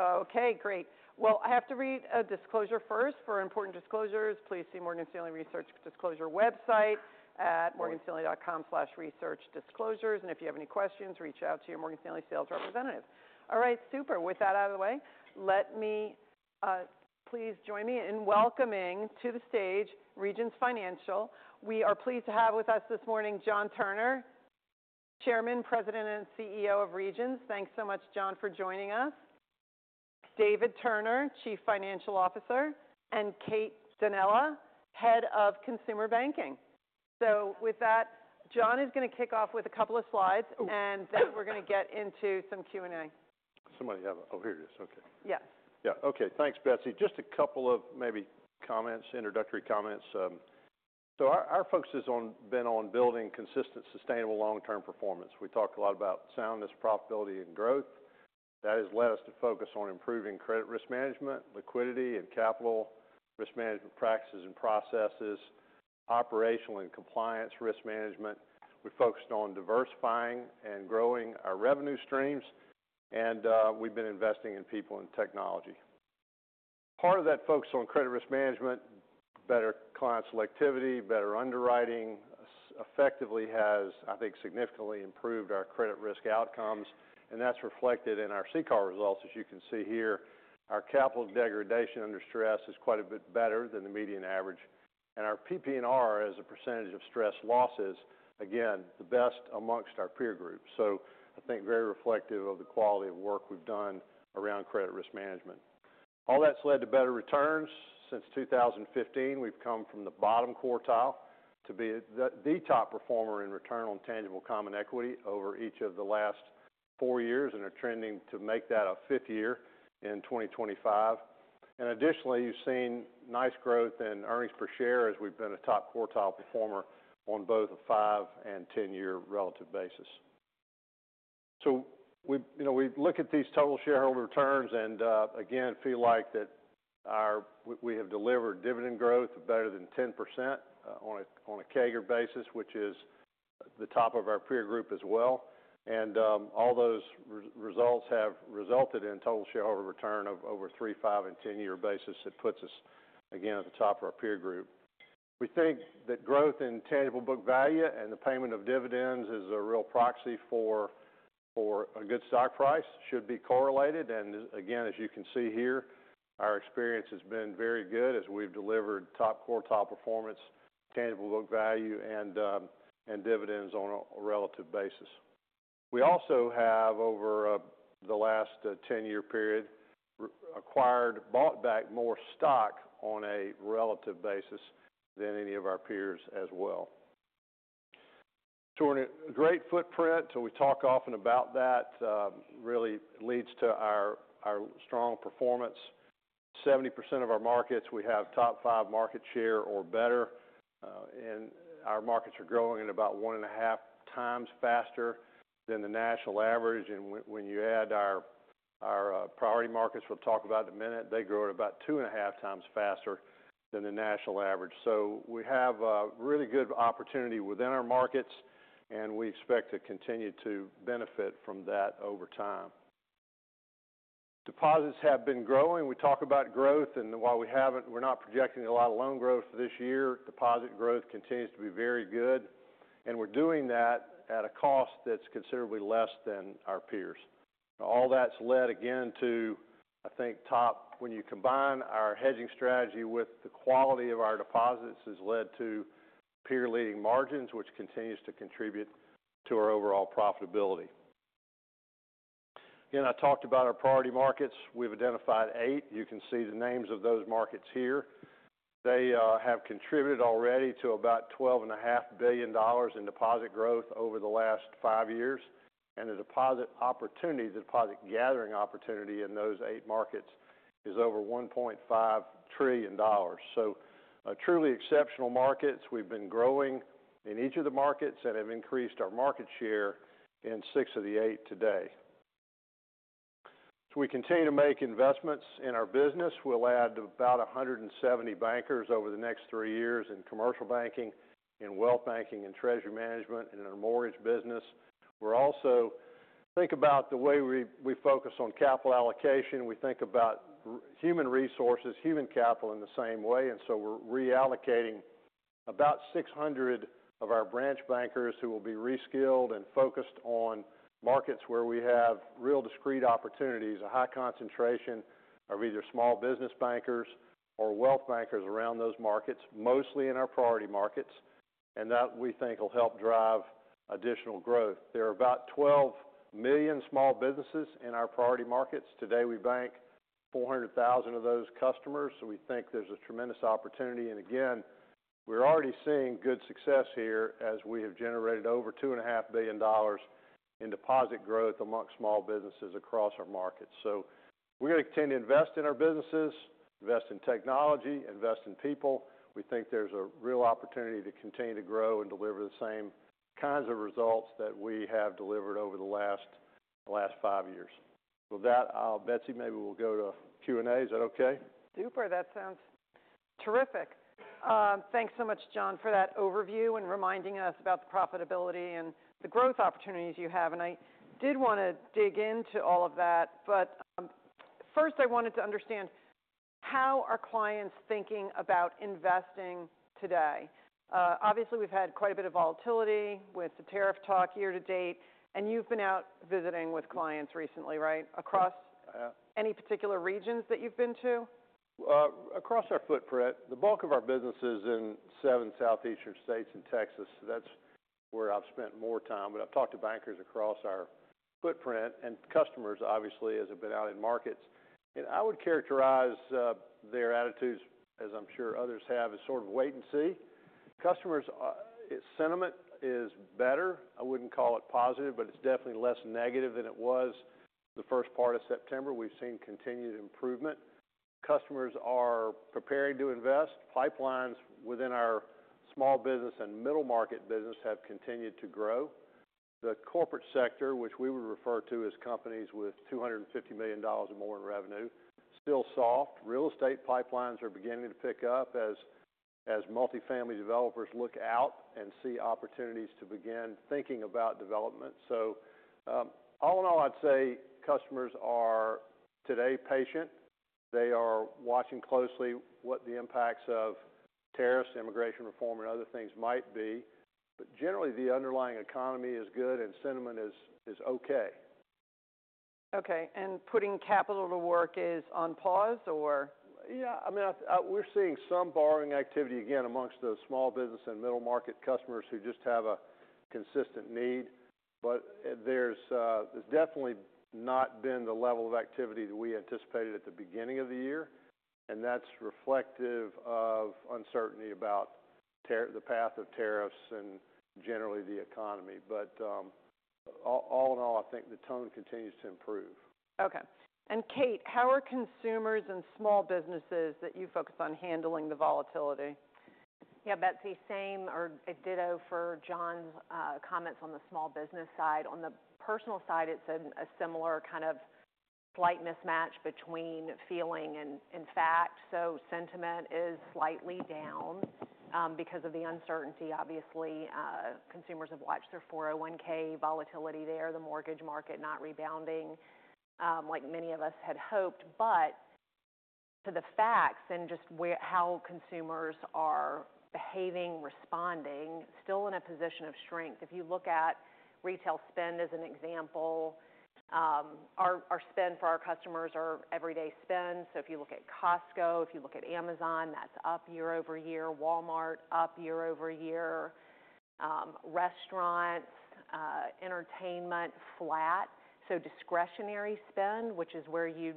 Okay, great. I have to read a disclosure first. For important disclosures, please see Morgan Stanley Research Disclosure website at morganstanley.com/researchdisclosures. If you have any questions, reach out to your Morgan Stanley sales representative. All right, super. With that out of the way, please join me in welcoming to the stage Regions Financial. We are pleased to have with us this morning John Turner, Chairman, President, and CEO of Regions. Thanks so much, John, for joining us. David Turner, Chief Financial Officer, and Kate Danella, Head of Consumer Banking. With that, John is going to kick off with a couple of slides, and then we're going to get into some Q&A. Somebody have—oh, here it is. Okay. Yes. Yeah. Okay. Thanks, Betsy. Just a couple of maybe comments, introductory comments. Our focus has been on building consistent, sustainable, long-term performance. We talked a lot about soundness, profitability, and growth. That has led us to focus on improving credit risk management, liquidity and capital risk management practices and processes, operational and compliance risk management. We focused on diversifying and growing our revenue streams, and we've been investing in people and technology. Part of that focus on credit risk management, better client selectivity, better underwriting, effectively has, I think, significantly improved our credit risk outcomes. That is reflected in our CCAR results, as you can see here. Our capital degradation under stress is quite a bit better than the median average. Our PPNR, as a percentage of stress losses, again, the best amongst our peer groups. I think very reflective of the quality of work we've done around credit risk management. All that's led to better returns. Since 2015, we've come from the bottom quartile to be the top performer in return on tangible common equity over each of the last four years, and are trending to make that a fifth year in 2025. Additionally, you've seen nice growth in earnings per share as we've been a top quartile performer on both a five and 10-year relative basis. We, you know, we look at these total shareholder returns and, again, feel like that our—we have delivered dividend growth of better than 10% on a CAGR basis, which is the top of our peer group as well. All those results have resulted in total shareholder return of over three, five, and 10-year basis. It puts us, again, at the top of our peer group. We think that growth in tangible book value and the payment of dividends is a real proxy for a good stock price should be correlated. Again, as you can see here, our experience has been very good as we've delivered top quartile performance, tangible book value, and dividends on a relative basis. We also have, over the last 10-year period, bought back more stock on a relative basis than any of our peers as well. A great footprint, we talk often about that, really leads to our strong performance. 70% of our markets, we have top five market share or better, and our markets are growing at about 1/2x faster than the national average. When you add our priority markets, we'll talk about in a minute, they grow at about 2 and 1/2x faster than the national average. We have a really good opportunity within our markets, and we expect to continue to benefit from that over time. Deposits have been growing. We talk about growth, and while we have not—we are not projecting a lot of loan growth for this year, deposit growth continues to be very good. We are doing that at a cost that is considerably less than our peers. All that has led, again, to, I think, top—when you combine our hedging strategy with the quality of our deposits, it has led to peer-leading margins, which continues to contribute to our overall profitability. Again, I talked about our priority markets. We have identified eight. You can see the names of those markets here. They have contributed already to about $12.5 billion in deposit growth over the last five years. The deposit opportunity, the deposit gathering opportunity in those eight markets is over $1.5 trillion. Truly exceptional markets. We have been growing in each of the markets and have increased our market share in six of the eight today. We continue to make investments in our business. We will add about 170 bankers over the next three years in commercial banking, in wealth banking, in treasury management, and in our mortgage business. We are also—think about the way we focus on capital allocation. We think about human resources, human capital in the same way. We are reallocating about 600 of our branch bankers who will be reskilled and focused on markets where we have real discrete opportunities, a high concentration of either small business bankers or wealth bankers around those markets, mostly in our priority markets. We think that will help drive additional growth. There are about 12 million small businesses in our priority markets. Today, we bank 400,000 of those customers. We think there is a tremendous opportunity. We are already seeing good success here as we have generated over $2.5 billion in deposit growth amongst small businesses across our markets. We are going to continue to invest in our businesses, invest in technology, invest in people. We think there is a real opportunity to continue to grow and deliver the same kinds of results that we have delivered over the last five years. With that, Betsy, maybe we'll go to Q&A. Is that okay? Super. That sounds terrific. Thanks so much, John, for that overview and reminding us about the profitability and the growth opportunities you have. I did want to dig into all of that. First, I wanted to understand how are clients thinking about investing today? Obviously, we've had quite a bit of volatility with the tariff talk year to date. You've been out visiting with clients recently, right, across any particular regions that you've been to? Across our footprint, the bulk of our business is in seven southeastern states and Texas. That is where I have spent more time. I have talked to bankers across our footprint and customers, obviously, as I have been out in markets. I would characterize their attitudes, as I am sure others have, as sort of wait and see. Customer sentiment is better. I would not call it positive, but it is definitely less negative than it was the first part of September. We have seen continued improvement. Customers are preparing to invest. Pipelines within our small business and middle market business have continued to grow. The corporate sector, which we would refer to as companies with $250 million or more in revenue, is still soft. Real estate pipelines are beginning to pick up as multifamily developers look out and see opportunities to begin thinking about development. All in all, I'd say customers are today patient. They are watching closely what the impacts of tariffs, immigration reform, and other things might be. Generally, the underlying economy is good, and sentiment is, is okay. Okay. And putting capital to work is on pause, or? Yeah. I mean, I think we're seeing some borrowing activity again amongst those small business and middle market customers who just have a consistent need. There's definitely not been the level of activity that we anticipated at the beginning of the year. That is reflective of uncertainty about the path of tariffs and generally the economy. All in all, I think the tone continues to improve. Okay. Kate, how are consumers and small businesses that you focus on handling the volatility? Yeah, Betsy, same or a ditto for John's comments on the small business side. On the personal side, it's a similar kind of slight mismatch between feeling and, in fact. So sentiment is slightly down, because of the uncertainty, obviously. Consumers have watched their 401(k) volatility there, the mortgage market not rebounding, like many of us had hoped. But to the facts and just where how consumers are behaving, responding, still in a position of strength. If you look at retail spend as an example, our spend for our customers, our everyday spend. If you look at Costco, if you look at Amazon, that's up year over year. Walmart, up year over year. Restaurants, entertainment, flat. Discretionary spend, which is where you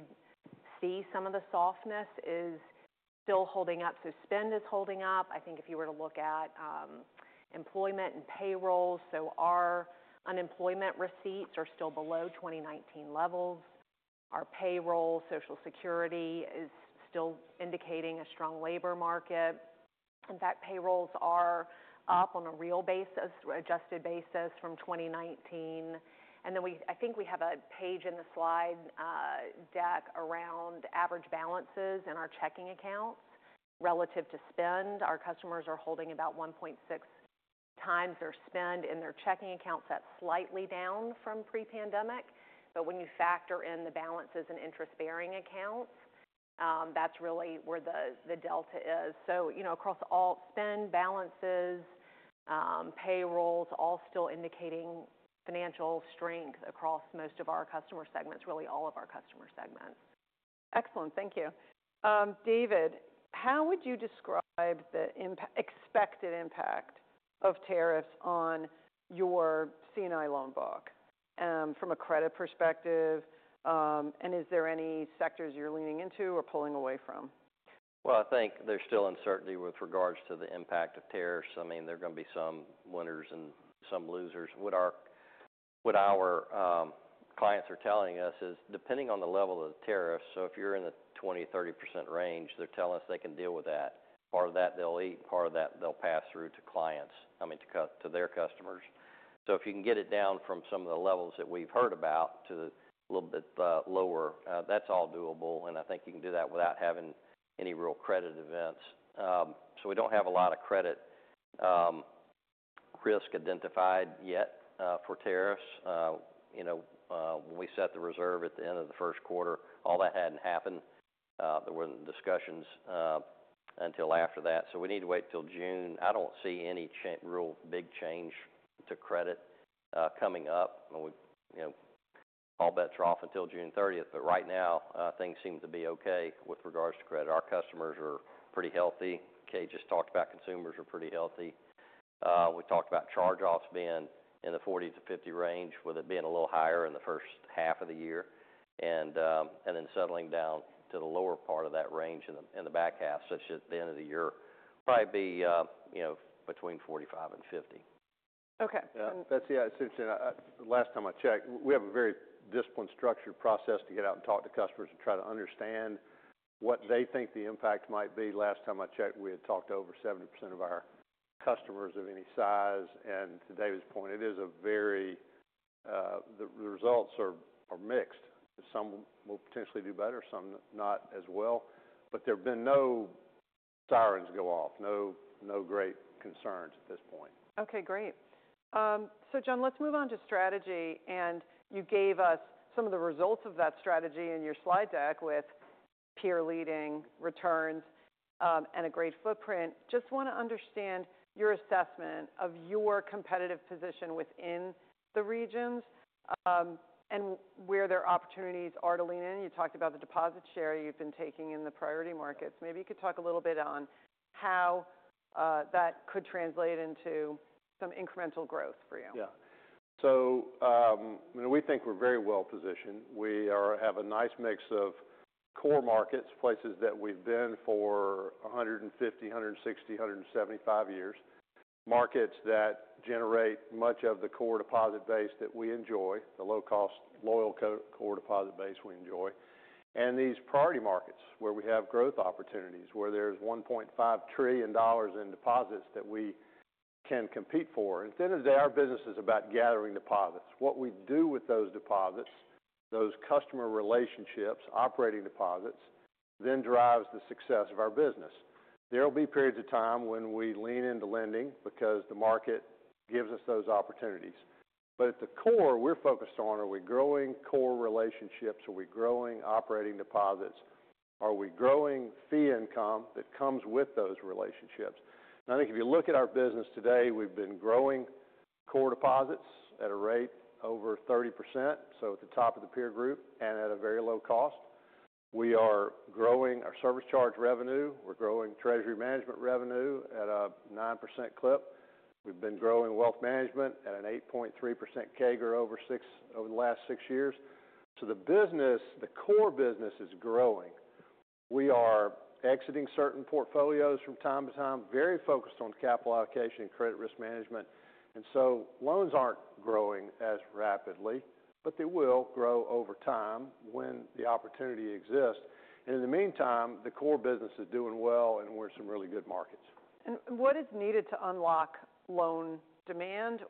see some of the softness, is still holding up. Spend is holding up. I think if you were to look at employment and payroll, our unemployment receipts are still below 2019 levels. Our payroll, Social Security is still indicating a strong labor market. In fact, payrolls are up on a real basis, adjusted basis from 2019. I think we have a page in the slide deck around average balances in our checking accounts relative to spend. Our customers are holding about 1.6x their spend in their checking accounts. That is slightly down from pre-pandemic. When you factor in the balances in interest-bearing accounts, that is really where the delta is. You know, across all spend balances, payrolls are all still indicating financial strength across most of our customer segments, really all of our customer segments. Excellent. Thank you. David, how would you describe the impact, expected impact of tariffs on your C&I loan book, from a credit perspective? And is there any sectors you're leaning into or pulling away from? I think there's still uncertainty with regards to the impact of tariffs. I mean, there are going to be some winners and some losers. What our clients are telling us is depending on the level of the tariffs, so if you're in the 20%-30% range, they're telling us they can deal with that. Part of that, they'll eat. Part of that, they'll pass through to clients, I mean, to their customers. If you can get it down from some of the levels that we've heard about to a little bit lower, that's all doable. I think you can do that without having any real credit events. We don't have a lot of credit risk identified yet for tariffs. You know, when we set the reserve at the end of the first quarter, all that hadn't happened. were not discussions, until after that. We need to wait till June. I do not see any real big change to credit coming up. All bets are off until June 30th. Right now, things seem to be okay with regards to credit. Our customers are pretty healthy. Kate just talked about consumers are pretty healthy. We talked about charge-offs being in the 40 to 50 range, with it being a little higher in the first half of the year, and then settling down to the lower part of that range in the back half, such that the end of the year will probably be between 45 and 50. Okay. Yeah. Betsy, I sent you an, last time I checked, we have a very disciplined, structured process to get out and talk to customers and try to understand what they think the impact might be. Last time I checked, we had talked to over 70% of our customers of any size. And to David's point, it is a very, the results are mixed. Some will potentially do better, some not as well. There have been no sirens go off, no great concerns at this point. Okay. Great. John, let's move on to strategy. You gave us some of the results of that strategy in your slide deck with peer-leading returns, and a great footprint. Just want to understand your assessment of your competitive position within the regions, and where there are opportunities to lean in. You talked about the deposit share you've been taking in the priority markets. Maybe you could talk a little bit on how that could translate into some incremental growth for you. Yeah. So, you know, we think we're very well positioned. We have a nice mix of core markets, places that we've been for 150, 160, 175 years, markets that generate much of the core deposit base that we enjoy, the low-cost, loyal core deposit base we enjoy, and these priority markets where we have growth opportunities, where there's $1.5 trillion in deposits that we can compete for. At the end of the day, our business is about gathering deposits. What we do with those deposits, those customer relationships, operating deposits, then drives the success of our business. There will be periods of time when we lean into lending because the market gives us those opportunities. At the core, we're focused on, are we growing core relationships? Are we growing operating deposits? Are we growing fee income that comes with those relationships? I think if you look at our business today, we've been growing core deposits at a rate over 30%, at the top of the peer group and at a very low cost. We are growing our service charge revenue. We're growing treasury management revenue at a 9% clip. We've been growing wealth management at an 8.3% CAGR over the last six years. The business, the core business is growing. We are exiting certain portfolios from time to time, very focused on capital allocation and credit risk management. Loans are not growing as rapidly, but they will grow over time when the opportunity exists. In the meantime, the core business is doing well, and we're in some really good markets. What is needed to unlock loan demand?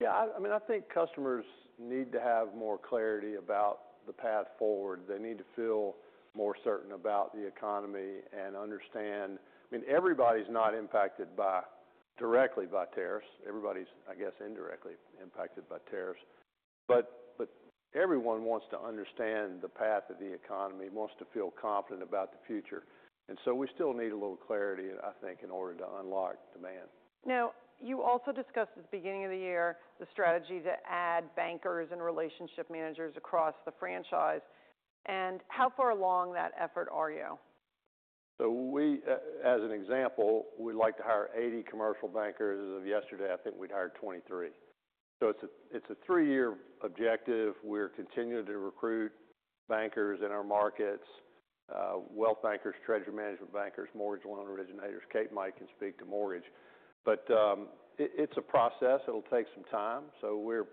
Yeah. I mean, I think customers need to have more clarity about the path forward. They need to feel more certain about the economy and understand. I mean, everybody's not impacted directly by tariffs. Everybody's, I guess, indirectly impacted by tariffs. Everyone wants to understand the path of the economy, wants to feel confident about the future. We still need a little clarity, I think, in order to unlock demand. Now, you also discussed at the beginning of the year the strategy to add bankers and relationship managers across the franchise. How far along that effort are you? We, as an example, we'd like to hire 80 commercial bankers. As of yesterday, I think we'd hired 23. It's a three-year objective. We're continuing to recruit bankers in our markets, wealth bankers, treasury management bankers, mortgage loan originators. Kate and Mike can speak to mortgage. It is a process. It'll take some time. We're,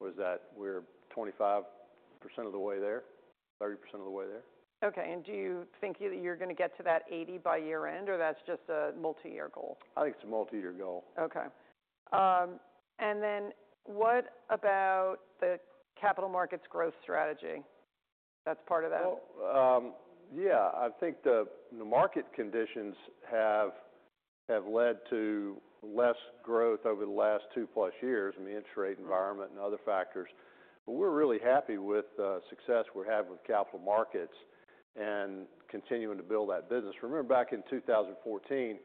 what is that? We're 25% of the way there, 30% of the way there. Okay. Do you think that you're going to get to that 80 by year-end, or that's just a multi-year goal? I think it's a multi-year goal. Okay. And then what about the capital markets growth strategy? That's part of that. I think the market conditions have led to less growth over the last two-plus years in the interest rate environment and other factors. But we're really happy with the success we're having with capital markets and continuing to build that business. Remember back in 2014,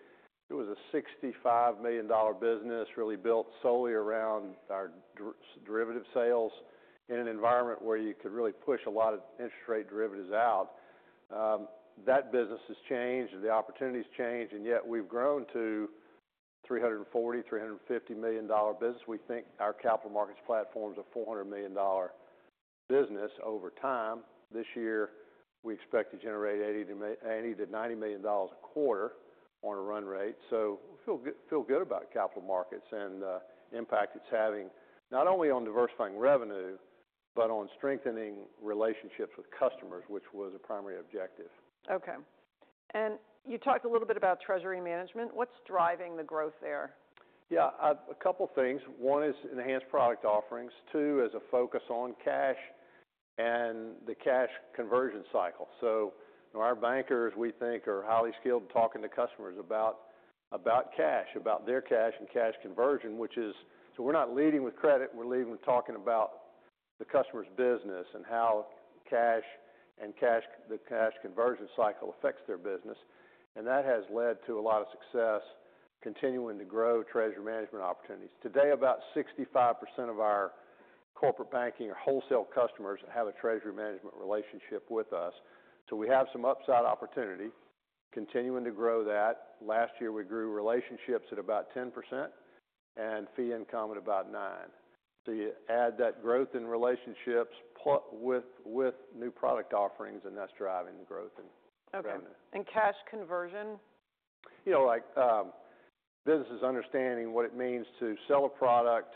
it was a $65 million business, really built solely around our derivative sales in an environment where you could really push a lot of interest rate derivatives out. That business has changed, and the opportunity has changed. Yet we've grown to a $340-$350 million business. We think our capital markets platform is a $400 million business over time. This year, we expect to generate $80-$90 million a quarter on a run rate. We feel good, feel good about capital markets and the impact it's having not only on diversifying revenue, but on strengthening relationships with customers, which was a primary objective. Okay. You talked a little bit about treasury management. What's driving the growth there? Yeah. A couple of things. One is enhanced product offerings. Two is a focus on cash and the cash conversion cycle. You know, our bankers, we think, are highly skilled in talking to customers about cash, about their cash and cash conversion, which is why we are not leading with credit. We are leading with talking about the customer's business and how cash and the cash conversion cycle affects their business. That has led to a lot of success, continuing to grow treasury management opportunities. Today, about 65% of our corporate banking or wholesale customers have a treasury management relationship with us. We have some upside opportunity, continuing to grow that. Last year, we grew relationships at about 10% and fee income at about 9%. You add that growth in relationships plus with new product offerings, and that is driving the growth in revenue. Okay. Cash conversion? You know, like, businesses understanding what it means to sell a product,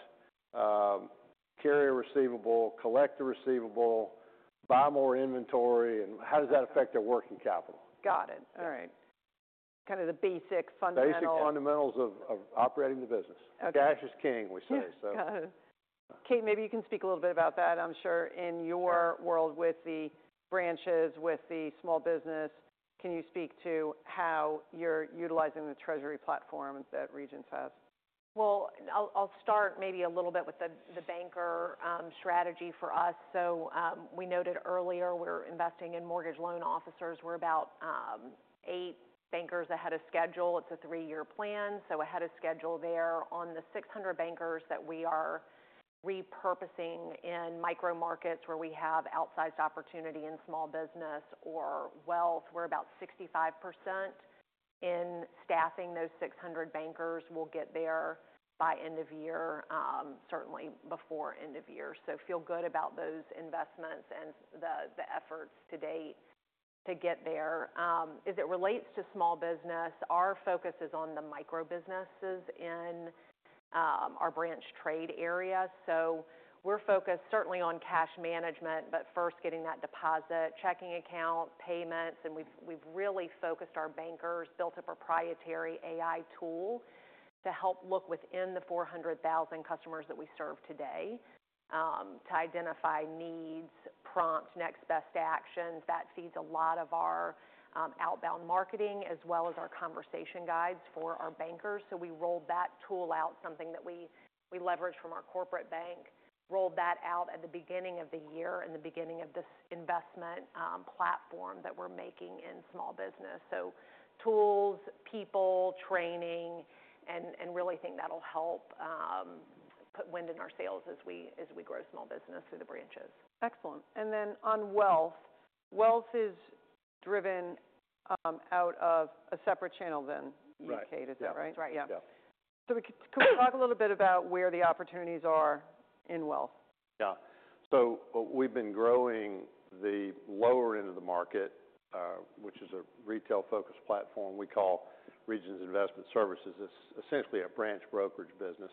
carry a receivable, collect a receivable, buy more inventory, and how does that affect their working capital? Got it. All right. Kind of the basic fundamentals. Basic fundamentals of operating the business. Okay. Cash is king, we say, so. Got it. Kate, maybe you can speak a little bit about that. I'm sure in your world with the branches, with the small business, can you speak to how you're utilizing the treasury platform that Regions has? I'll start maybe a little bit with the banker strategy for us. We noted earlier we're investing in mortgage loan officers. We're about eight bankers ahead of schedule. It's a three-year plan. Ahead of schedule there, on the 600 bankers that we are repurposing in micro markets where we have outsized opportunity in small business or wealth, we're about 65% in staffing. Those 600 bankers will get there by end of year, certainly before end of year. Feel good about those investments and the efforts to date to get there. As it relates to small business, our focus is on the micro businesses in our branch trade area. We're focused certainly on cash management, but first getting that deposit, checking account payments. We have really focused our bankers, built a proprietary AI tool to help look within the 400,000 customers that we serve today, to identify needs, prompt next best actions. That feeds a lot of our outbound marketing as well as our conversation guides for our bankers. We rolled that tool out, something that we leveraged from our corporate bank, rolled that out at the beginning of the year and the beginning of this investment platform that we are making in small business. Tools, people, training, and really think that will help put wind in our sails as we grow small business through the branches. Excellent. Then on wealth, wealth is driven out of a separate channel then. Right. You and Kate, is that right? Right. Yeah. Yeah. Can we talk a little bit about where the opportunities are in wealth? Yeah. We have been growing the lower end of the market, which is a retail-focused platform. We call Regions Investment Services. It is essentially a branch brokerage business.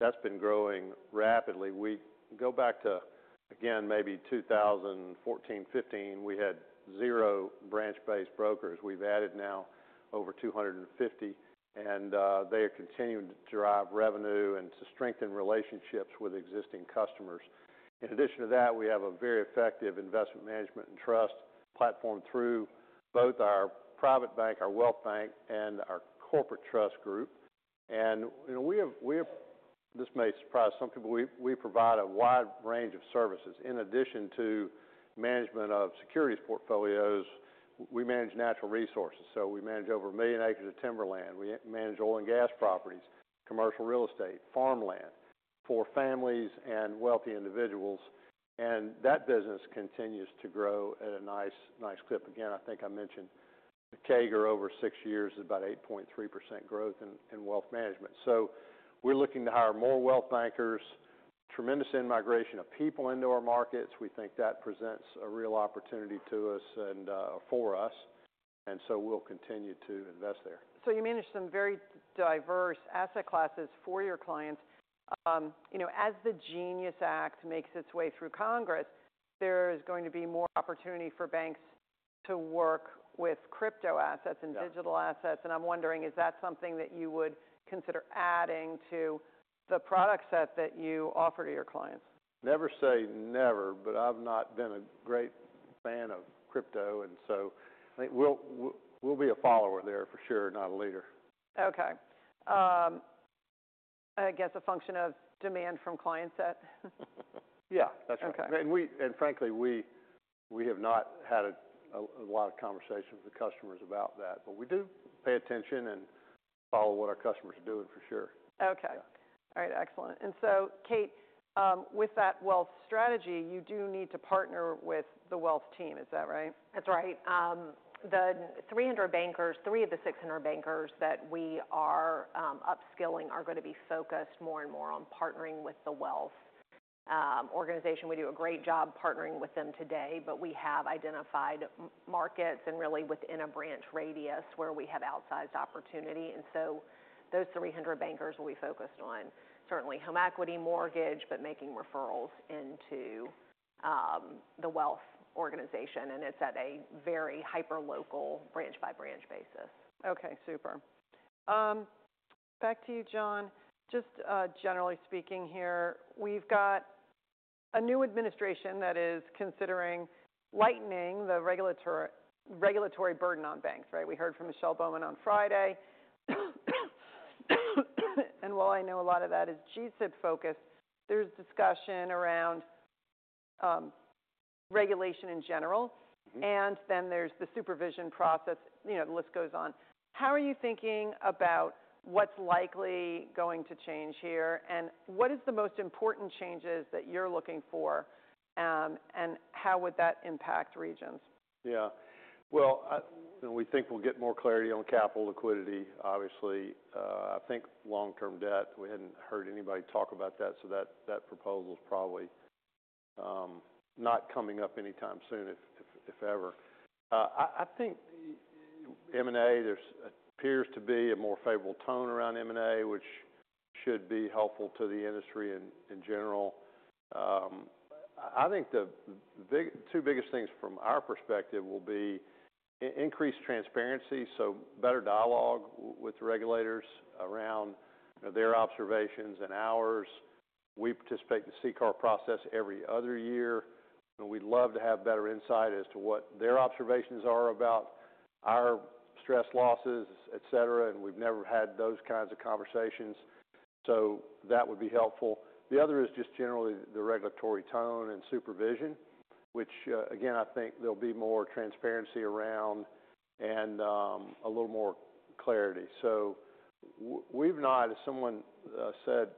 That has been growing rapidly. If you go back to, again, maybe 2014, 2015, we had zero branch-based brokers. We have added now over 250. They are continuing to drive revenue and to strengthen relationships with existing customers. In addition to that, we have a very effective investment management and trust platform through both our private bank, our wealth bank, and our corporate trust group. You know, we have, this may surprise some people, we provide a wide range of services. In addition to management of securities portfolios, we manage natural resources. We manage over one million acres of timberland. We manage oil and gas properties, commercial real estate, farmland for families and wealthy individuals. That business continues to grow at a nice, nice clip. I think I mentioned the CAGR over six years is about 8.3% growth in wealth management. We are looking to hire more wealth bankers, tremendous in-migration of people into our markets. We think that presents a real opportunity to us and, for us. We will continue to invest there. You manage some very diverse asset classes for your clients. You know, as the GENIUS Act makes its way through Congress, there is going to be more opportunity for banks to work with crypto assets and digital assets. I'm wondering, is that something that you would consider adding to the product set that you offer to your clients? Never say never, but I've not been a great fan of crypto. I think we'll be a follower there for sure, not a leader. Okay. I guess a function of demand from clients, that. Yeah. That's right. Okay. We, and frankly, we have not had a lot of conversation with the customers about that. We do pay attention and follow what our customers are doing for sure. Okay. All right. Excellent. Kate, with that wealth strategy, you do need to partner with the wealth team. Is that right? That's right. The 300 bankers, three of the 600 bankers that we are upskilling, are going to be focused more and more on partnering with the wealth organization. We do a great job partnering with them today, but we have identified markets and really within a branch radius where we have outsized opportunity. Those 300 bankers will be focused on certainly home equity mortgage, but making referrals into the wealth organization. It is at a very hyper-local branch-by-branch basis. Okay. Super. Back to you, John. Just, generally speaking here, we've got a new administration that is considering lightening the regulatory, regulatory burden on banks, right? We heard from Michelle Bowman on Friday. And while I know a lot of that is G-SIB-focused, there's discussion around, regulation in general. Mm-hmm. There is the supervision process. You know, the list goes on. How are you thinking about what is likely going to change here? What is the most important change that you are looking for, and how would that impact Regions? Yeah. You know, we think we'll get more clarity on capital liquidity, obviously. I think long-term debt. We hadn't heard anybody talk about that. That proposal's probably not coming up anytime soon, if ever. I think M&A, there appears to be a more favorable tone around M&A, which should be helpful to the industry in general. I think the two biggest things from our perspective will be increased transparency, so better dialogue with regulators around their observations and ours. We participate in the CCAR process every other year. We'd love to have better insight as to what their observations are about our stress losses, etc. We've never had those kinds of conversations. That would be helpful. The other is just generally the regulatory tone and supervision, which, again, I think there'll be more transparency around and a little more clarity. We've not, as someone said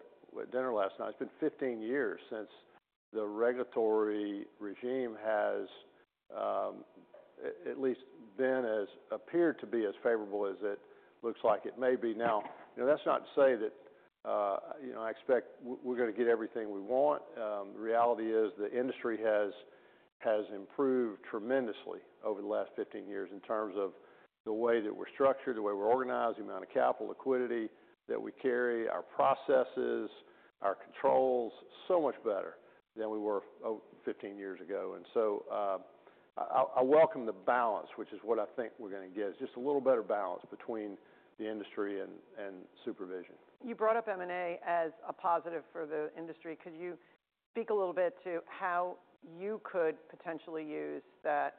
at dinner last night, it's been 15 years since the regulatory regime has at least been as appeared to be as favorable as it looks like it may be now. You know, that's not to say that, you know, I expect we're going to get everything we want. The reality is the industry has improved tremendously over the last 15 years in terms of the way that we're structured, the way we're organized, the amount of capital liquidity that we carry, our processes, our controls, so much better than we were 15 years ago. I welcome the balance, which is what I think we're going to get, just a little better balance between the industry and supervision. You brought up M&A as a positive for the industry. Could you speak a little bit to how you could potentially use that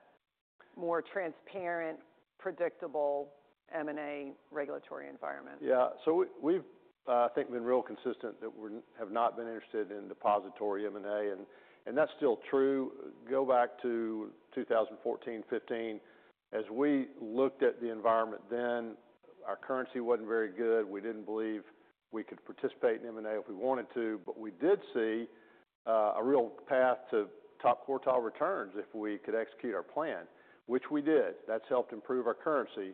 more transparent, predictable M&A regulatory environment? Yeah. So we, I think, have been real consistent that we have not been interested in depository M&A. That is still true. Go back to 2014, 2015, as we looked at the environment then, our currency was not very good. We did not believe we could participate in M&A if we wanted to. We did see a real path to top quartile returns if we could execute our plan, which we did. That has helped improve our currency.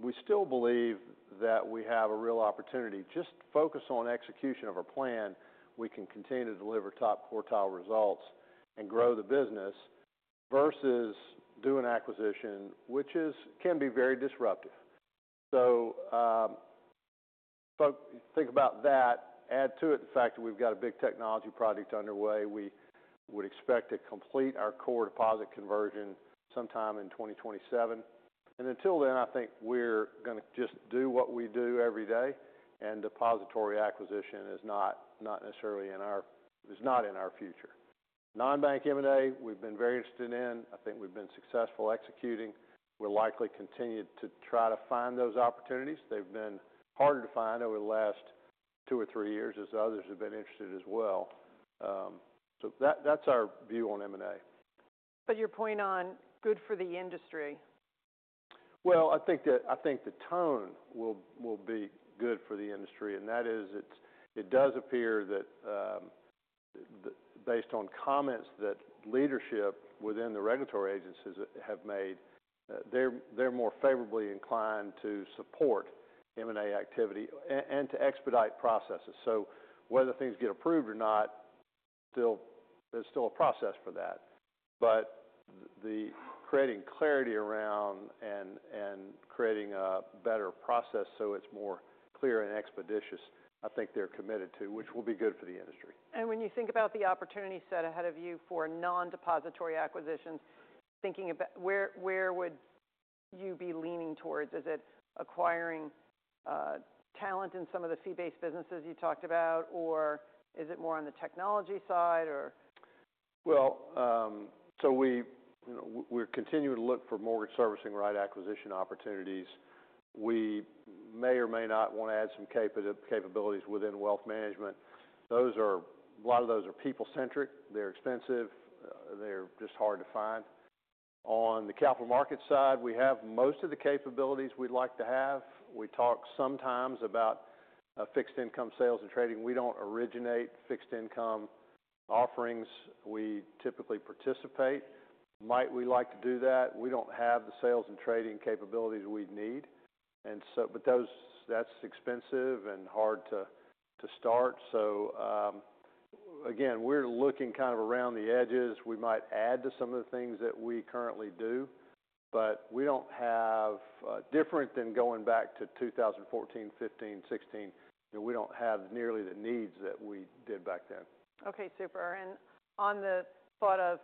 We still believe that we have a real opportunity. Just focus on execution of our plan. We can continue to deliver top quartile results and grow the business versus do an acquisition, which can be very disruptive. Think about that. Add to it the fact that we have got a big technology project underway. We would expect to complete our core deposit conversion sometime in 2027. Until then, I think we're going to just do what we do every day. Depository acquisition is not necessarily in our future. Non-bank M&A, we've been very interested in. I think we've been successful executing. We'll likely continue to try to find those opportunities. They've been harder to find over the last two or three years as others have been interested as well. That is our view on M&A. Your point on good for the industry? I think the tone will be good for the industry. That is, it does appear that, based on comments that leadership within the regulatory agencies have made, they're more favorably inclined to support M&A activity and to expedite processes. Whether things get approved or not, there's still a process for that. Creating clarity around and creating a better process so it's more clear and expeditious, I think they're committed to, which will be good for the industry. When you think about the opportunity set ahead of you for non-depository acquisitions, thinking about where, where would you be leaning towards? Is it acquiring talent in some of the fee-based businesses you talked about, or is it more on the technology side or? We, you know, we're continuing to look for mortgage servicing right acquisition opportunities. We may or may not want to add some capabilities within wealth management. Those are, a lot of those are people-centric. They're expensive. They're just hard to find. On the capital market side, we have most of the capabilities we'd like to have. We talk sometimes about fixed income sales and trading. We don't originate fixed income offerings. We typically participate. Might we like to do that? We don't have the sales and trading capabilities we'd need. That is expensive and hard to start. Again, we're looking kind of around the edges. We might add to some of the things that we currently do, but we don't have, different than going back to 2014, 2015, 2016. You know, we don't have nearly the needs that we did back then. Okay. Super. On the thought of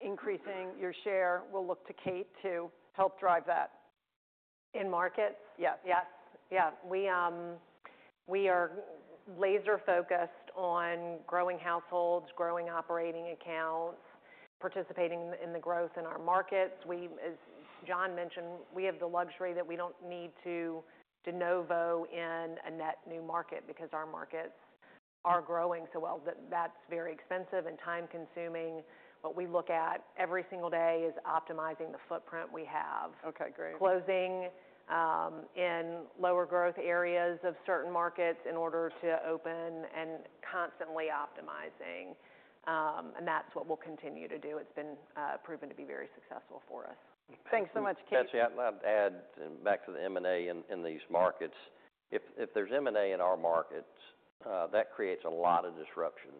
increasing your share, we'll look to Kate to help drive that in markets. Yes. Yes. Yeah. We are laser-focused on growing households, growing operating accounts, participating in the growth in our markets. We, as John mentioned, have the luxury that we do not need to de novo in a net new market because our markets are growing so well that that is very expensive and time-consuming. What we look at every single day is optimizing the footprint we have. Okay. Great. Closing in lower growth areas of certain markets in order to open and constantly optimizing. That's what we'll continue to do. It's been proven to be very successful for us. Thanks so much, Kate. Actually, I'd love to add back to the M&A in these markets. If there's M&A in our markets, that creates a lot of disruption.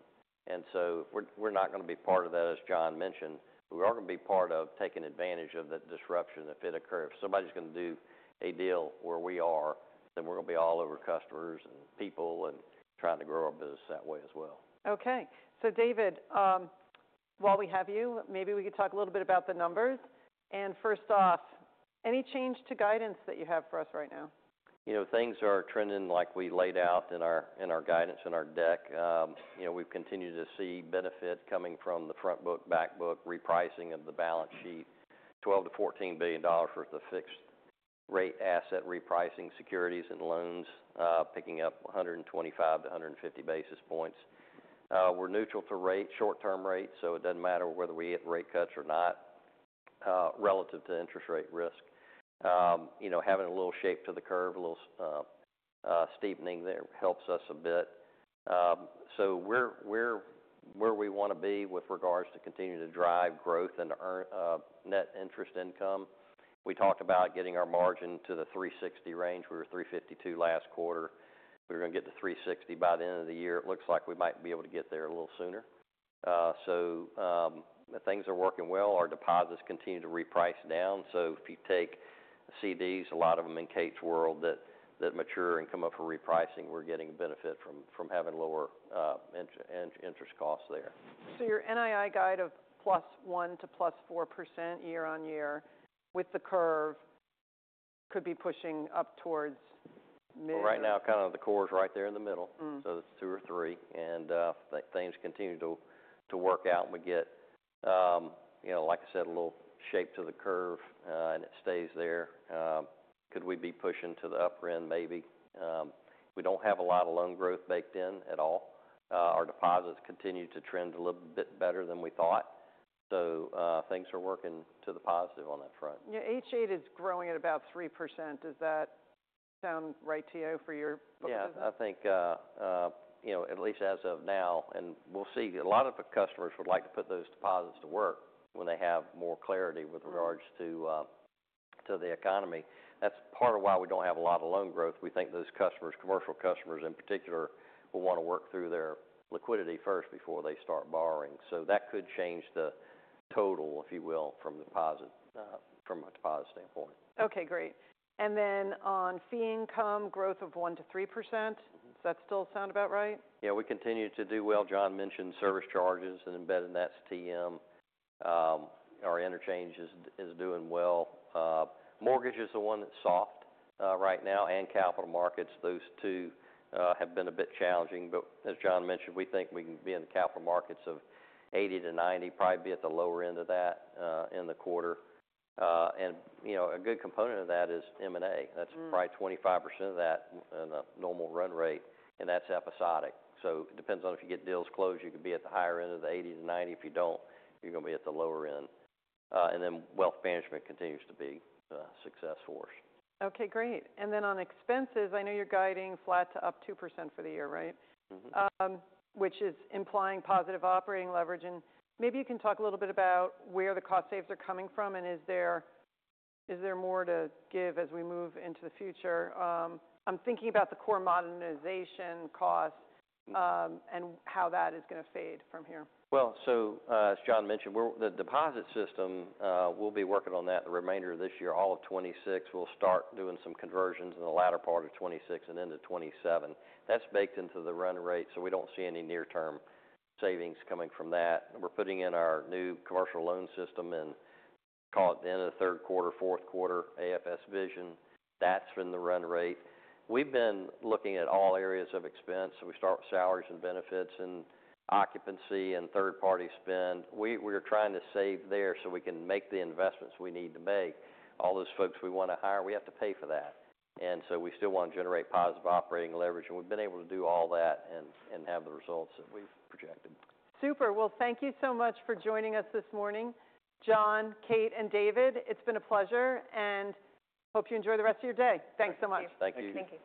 We're not going to be part of that, as John mentioned. We are going to be part of taking advantage of that disruption if it occurs. If somebody's going to do a deal where we are, then we're going to be all over customers and people and trying to grow our business that way as well. Okay. David, while we have you, maybe we could talk a little bit about the numbers. First off, any change to guidance that you have for us right now? You know, things are trending like we laid out in our guidance, in our deck. You know, we've continued to see benefit coming from the front book, back book, repricing of the balance sheet, $12 billion-$14 billion worth of fixed-rate asset repricing, securities, and loans, picking up 125-150 basis points. We're neutral to rate, short-term rate. It doesn't matter whether we hit rate cuts or not, relative to interest rate risk. You know, having a little shape to the curve, a little steepening there helps us a bit. We're where we want to be with regards to continuing to drive growth and to earn net interest income. We talked about getting our margin to the 360 range. We were 352 last quarter. We're going to get to 360 by the end of the year. It looks like we might be able to get there a little sooner. Things are working well. Our deposits continue to reprice down. If you take CDs, a lot of them in Kate's world that mature and come up for repricing, we're getting benefit from having lower interest costs there. Your NII guide of plus 1% to plus 4% year on year with the curve could be pushing up towards mid. Right now, kind of the core is right there in the middle. Mm-hmm. That is 2% or 3%. Things continue to work out. We get, you know, like I said, a little shape to the curve, and it stays there. Could we be pushing to the upper end maybe? We do not have a lot of loan growth baked in at all. Our deposits continue to trend a little bit better than we thought. Things are working to the positive on that front. Yeah. H8 is growing at about 3%. Does that sound right to you for your business? Yeah. I think, you know, at least as of now, and we'll see, a lot of the customers would like to put those deposits to work when they have more clarity with regards to, to the economy. That's part of why we don't have a lot of loan growth. We think those customers, commercial customers in particular, will want to work through their liquidity first before they start borrowing. That could change the total, if you will, from deposit, from a deposit standpoint. Okay. Great. And then on fee income, growth of 1-3%. Does that still sound about right? Yeah. We continue to do well. John mentioned service charges and embedded in that is TM. Our interchange is doing well. Mortgage is the one that's soft right now. Capital markets, those two have been a bit challenging. As John mentioned, we think we can be in capital markets of $80 million-$90 million, probably be at the lower end of that in the quarter. You know, a good component of that is M&A. That's probably 25% of that in a normal run rate, and that's episodic. It depends on if you get deals closed. You could be at the higher end of the $80 million-$90 million. If you do not, you are going to be at the lower end. Wealth management continues to be a success for us. Okay. Great. And then on expenses, I know you're guiding flat to up 2% for the year, right? Mm-hmm. which is implying positive operating leverage. Maybe you can talk a little bit about where the cost saves are coming from and is there, is there more to give as we move into the future? I'm thinking about the core modernization cost, and how that is going to fade from here. As John mentioned, we're the deposit system, we'll be working on that the remainder of this year. All of 2026, we'll start doing some conversions in the latter part of 2026 and into 2027. That's baked into the run rate. We don't see any near-term savings coming from that. We're putting in our new commercial loan system in, call it the end of the third quarter, fourth quarter, AFS Vision. That's in the run rate. We've been looking at all areas of expense. We start with salaries and benefits and occupancy and third-party spend. We're trying to save there so we can make the investments we need to make. All those folks we want to hire, we have to pay for that. We still want to generate positive operating leverage. We have been able to do all that and have the results that we have projected. Super. Thank you so much for joining us this morning, John, Kate, and David. It's been a pleasure. I hope you enjoy the rest of your day. Thanks so much. Thank you. Thank you. Thank you.